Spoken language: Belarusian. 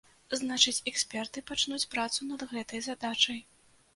Значыць, эксперты пачнуць працу над гэтай задачай.